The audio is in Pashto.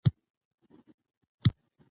افغانستان د تنوع د ساتنې لپاره قوانین لري.